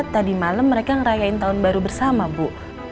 tadi malam mereka ngerayain tahun baru bersama bu